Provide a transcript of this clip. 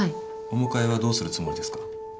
お迎えはどうするつもりですか？